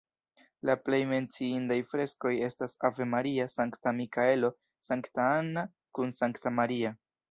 La plej menciindaj freskoj estas Ave Maria, Sankta Mikaelo, Sankta Anna kun Sankta Maria.